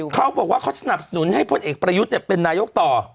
เขาบอกว่าเขาสนับสนุนให้พลเอกประยุทธ์เป็นนายกต่อ